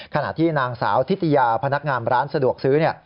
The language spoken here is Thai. ขณะที่นางสาวทิตยาพนักงานร้านสะดวกซื้อ